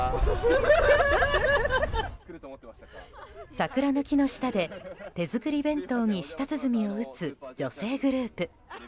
桜の木の下で手作り弁当に舌鼓を打つ女性グループ。